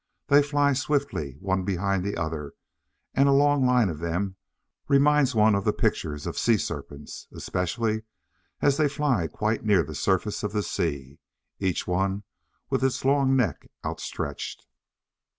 They fly swiftly, one behind the other, and a long line of them reminds one of the pictures of "sea serpents," especially as they fly quite near the surface of the sea, each one with its long neck outstretched.